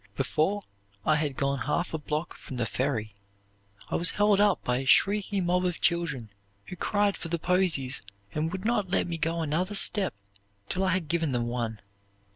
"Before I had gone half a block from the ferry I was held up by a shrieky mob of children who cried for the posies and would not let me go another step till I had given them one.